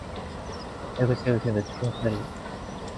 내 글쎄 요새 며칠 꿈자리가 사납더니 저 모양이구려.